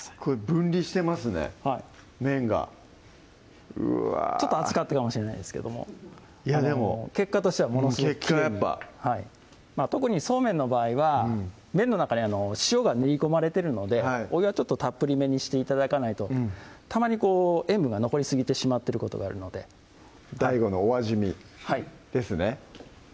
分離してますね麺がうわちょっと熱かったかもしれないですけども結果としてはものすごくきれいに結果やっぱ特にそうめんの場合は麺の中に塩が練り込まれてるのでお湯はちょっとたっぷりめにして頂かないとたまにこう塩分が残りすぎてしまってることがあるのでＤＡＩＧＯのお味見ですね